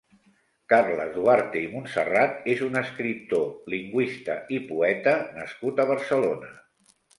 Carles Duarte i Montserrat és un escriptor, lingüista i poeta nascut a Barcelona.